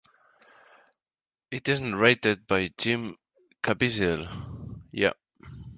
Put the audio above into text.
It is narrated by Jim Caviezel.